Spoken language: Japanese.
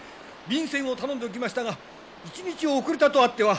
便船を頼んでおきましたが１日遅れたとあっては。